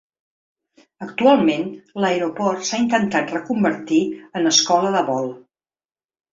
Actualment l’aeroport s’ha intentat reconvertir en escola de vol.